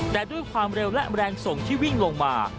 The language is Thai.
แต่ด้วยความเร็วและแรงส่งที่วิ่งลงมา